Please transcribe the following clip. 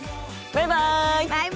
バイバイ！